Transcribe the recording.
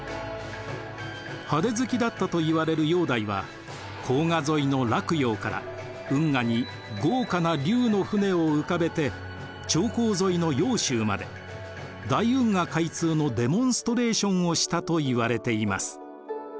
派手好きだったといわれる煬帝は黄河沿いの洛陽から運河に豪華な竜の船を浮かべて長江沿いの揚州まで大運河開通のデモンストレーションをしたといわれています。